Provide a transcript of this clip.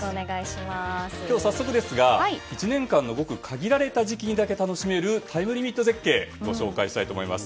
今日、早速ですが１年間のごく限られた時期にだけ楽しめるタイムリミット絶景をご紹介したいと思います。